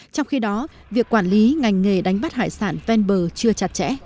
trong khi đó việc quản lý ngành nghề đánh bắt hải sản ven bờ chưa chặt chẽ